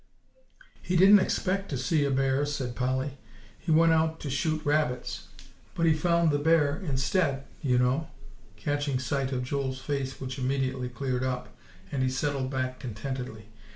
"He didn't expect to see a bear," said Polly; "he went out to shoot rabbits. But he found the bear instead, you know," catching sight of Joel's face, which immediately cleared up, and he settled back contentedly.